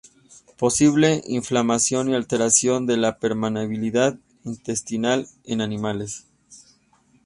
Posible inflamación y alteración de la permeabilidad intestinal en animales.